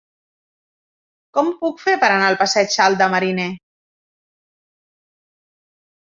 Com ho puc fer per anar al passatge Alt de Mariner?